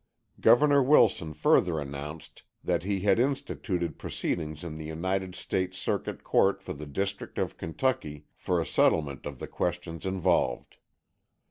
Governor Wilson further announced that he had instituted proceedings in the United States Circuit Court for the District of Kentucky for a settlement of the questions involved.